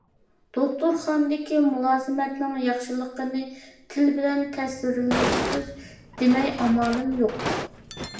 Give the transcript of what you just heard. دوختۇرخانىدىكى مۇلازىمەتنىڭ ياخشىلىقىنى تىل بىلەن تەسۋىرلىگۈسىز دېمەي ئامالىم يوق.